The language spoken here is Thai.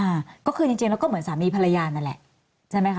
อ่าก็คือจริงจริงแล้วก็เหมือนสามีภรรยานั่นแหละใช่ไหมคะ